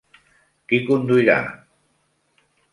Qui conduirà?